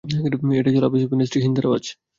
এটা ছিল আবু সুফিয়ানের স্ত্রী হিন্দার আওয়াজ।